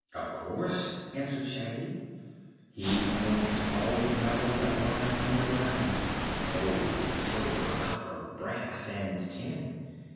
"Of course," answered Shaggy. "He owns all the metal that lies underground gold, silver, copper, brass and tin.